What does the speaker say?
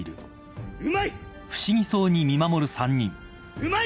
うまい！